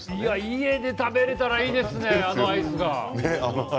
家で食べられたらいいですね、あのアイスが。